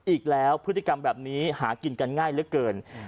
อีกแล้วพฤติกรรมแบบนี้หากินกันง่ายเหลือเกิน